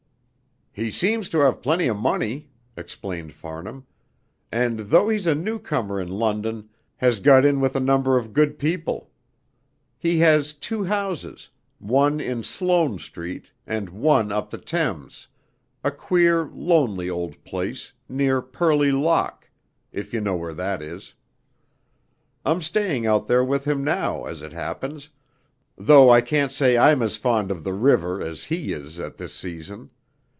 "He seems to have plenty of money," explained Farnham, "and though he's a newcomer in London, has got in with a number of good people. He has two houses, one in Sloane Street and one up the Thames, a queer, lonely old place, near Purley Lock, if you know where that is. I'm staying out there with him now, as it happens, though I can't say I'm as fond of the river as he is at this season.